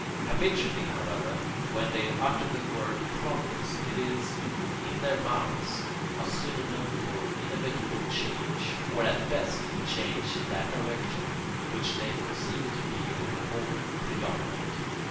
Habitually, however, when they utter the word progress it is, in their mouths, a synonym for inevitable change, or at best for change in that direction which they conceive to be on the whole predominant.